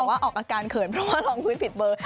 คิดว่าบอกว่าออกอาการเขินเพราะว่ารองพื้นผิดเบอ